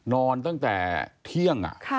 นอนตั้งแต่เที่ยง